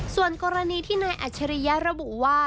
ส่วนกรณีที่นายอัจฉริยะระบุว่า